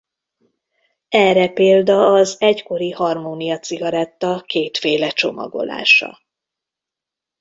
Erre példa az egykori Harmonia cigaretta kétféle csomagolása.